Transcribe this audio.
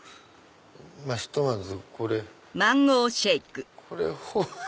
ひとまずこれ。